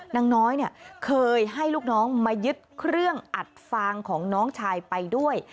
นางน้อยเนี่ยเคยให้ลูกน้องมายึดเครื่องอัดฟางของน้องชายไปด้วย